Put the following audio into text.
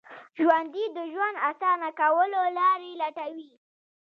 ژوندي د ژوند اسانه کولو لارې لټوي